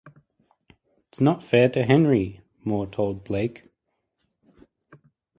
"It's not fair to Henri," Moore told Blake.